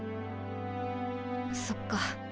そっか。